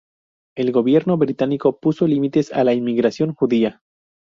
El gobierno británico puso límites a la inmigración judía.